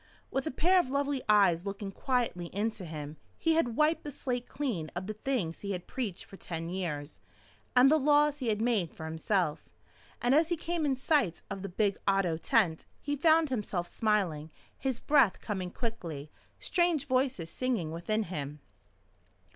With a pair of lovely eyes looking quietly into him, he had wiped the slate clean of the things he had preached for ten years and the laws he had made for himself. And as he came in sight of the big Otto tent, he found himself smiling, his breath coming quickly, strange voices singing within him.